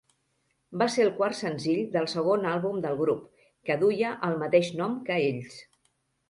Va ser el quart senzill del segon àlbum del grup, que duia el mateix nom que ells.